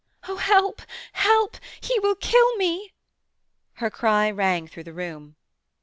"Oh—help! help! He will kill me!" Her cry rang through the room.